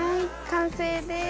完成です！